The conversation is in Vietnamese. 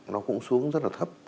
nó cũng xuống rất là thấp